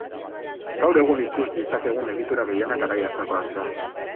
Gaur egun ikus ditzakegun egitura gehienak garai hartakoak dira.